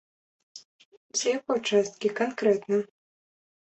З якой часткі канкрэтна?